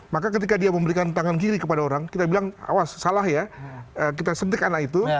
maka ketika dia memberikan tangan kiri kepada orang kita bilang awas salah ya kita suntik anak itu